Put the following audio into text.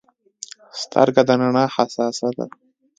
سترګه د رڼا حساسه ده.